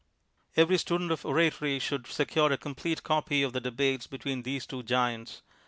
Every student of oratory should secure a com plete copy of the debates between these two giants.